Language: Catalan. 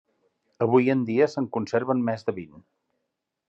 Avui en dia se'n conserven més de vint.